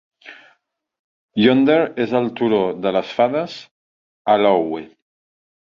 Yonder és el turó de les fades "a' alowe"